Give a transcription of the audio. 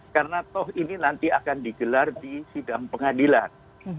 karena toh ini nanti akan digelar di sidang pengadilan